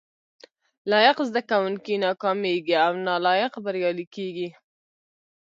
لايق زده کوونکي ناکامېږي او نالايق بريالي کېږي